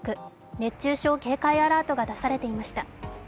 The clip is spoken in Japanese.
熱中症警戒アラートが出されていました。